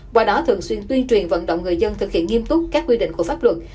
qua đó thường xuyên tuyên truyền vận động người dân thực hiện nghiêm túc các quy định của pháp luật